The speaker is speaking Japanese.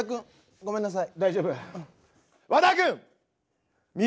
ごめんなさい！